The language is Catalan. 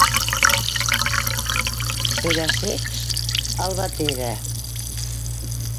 Per a cecs, Albatera.